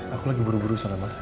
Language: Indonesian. aku lagi buru buru soalnya pak